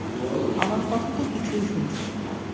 আমার কথা তো কিছুই শুনছো না!